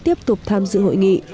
tiếp tục tham dự hội nghị